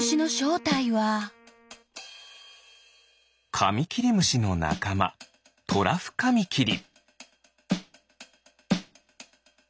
カミキリムシのなかまトラフカミキリ。